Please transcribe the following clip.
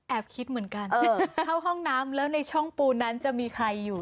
คิดเหมือนกันเข้าห้องน้ำแล้วในช่องปูนนั้นจะมีใครอยู่